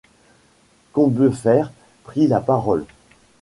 Combeferre prit la parole.